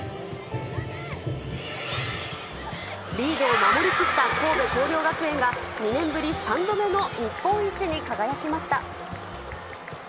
リードを守りきった神戸弘陵学園が、２年ぶり３度目の日本一に輝きました。